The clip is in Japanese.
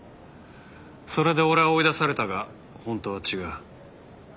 それで俺は追い出されたが本当は違う。